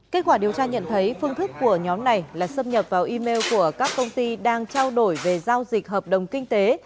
kết quả điều tra nhận thấy phương thức của nhóm này là xâm nhập vào email của các công ty đang trao đổi về giao dịch hợp đồng kinh tế